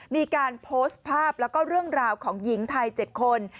มีการโพสต์ภาพแล้วก็เรื่องราวของหญิงไทย๗คน